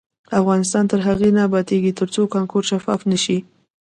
افغانستان تر هغو نه ابادیږي، ترڅو کانکور شفاف نشي.